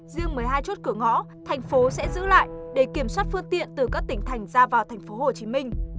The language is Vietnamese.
riêng một mươi hai chốt cửa ngõ thành phố sẽ giữ lại để kiểm soát phương tiện từ các tỉnh thành ra vào thành phố hồ chí minh